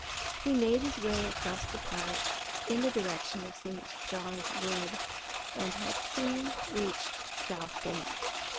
He made his way across the Park in the direction of St. John's Wood, and had soon reached South Bank.